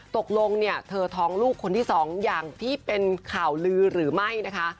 ตกลงเนี่ยเธอท้องลูกคนที่สองอย่างที่เป็นข่าวลือหรือไม่นะคะ